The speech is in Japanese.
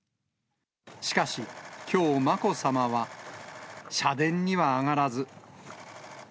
しかし、きょう、まこさまは社殿には上がらず。